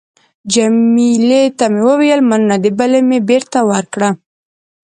جميله ته مې وویل: مننه. دبلی مې بېرته ورکړ.